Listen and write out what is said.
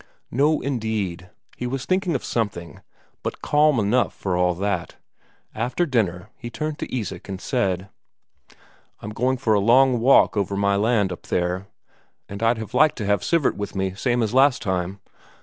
No, indeed, he was thinking of something, but calm enough for all that. After dinner, he turned to Isak, and said: "I'm going for a long walk over my land up there; and I'd have liked to have Sivert with me, same as last time."